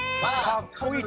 かっこいい！